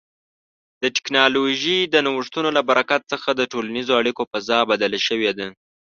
د ټکنالوژۍ د نوښتونو له برکت څخه د ټولنیزو اړیکو فضا بدله شوې ده.